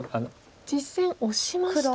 実戦オシました。